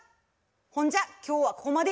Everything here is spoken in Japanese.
ほんじゃ今日はここまで。